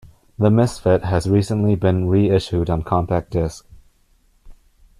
"The Misfit" has recently been re-issued on compact disc.